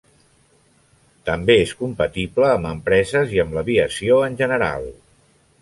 També és compatible amb empreses i amb l'aviació en general.